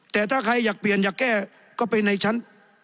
แต่ถ้าใครอยากเปลี่ยนอยากแก้ก็ไปในชั้น